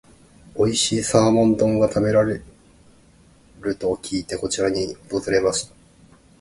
おいしいサーモン丼が食べれると聞いて、こちらに訪れました。